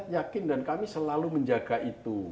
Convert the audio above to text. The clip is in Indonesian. kami saya yakin dan kami selalu menjaga itu